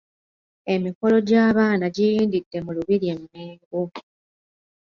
Emikolo gy'abaana giyindidde mu lubiri e Mengo.